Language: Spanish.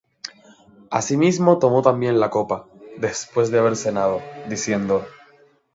Asimismo tomó también la copa, después de haber cenado, diciendo: